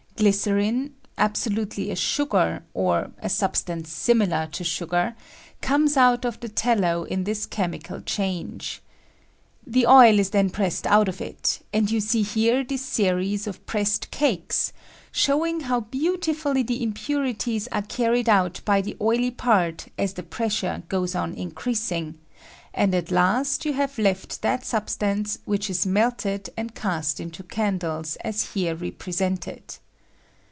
Glycerin — absolutely a sugar, or a substance similar to sngar — comes out of the tallow in this chemical change. The oil is then pressed out of it ; and you see here this series of pressed cakes, show ing how beautifully the impurities are carried out by the oily part as the pressure goes on in creasing, and at last you have left that sub stance, which is melted, and cast into candles [.14 FARAFFINE CANDLES. I ^^H as here repiescuted.